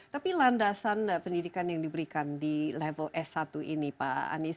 tapi landasan pendidikan yang diberikan di level s satu ini pak anies